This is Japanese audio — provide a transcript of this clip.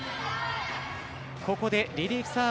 ここでリリーフ